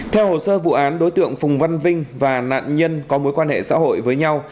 theo hồ sơ vụ án đối tượng phùng văn vinh và nạn nhân có mối quan hệ xã hội với nhau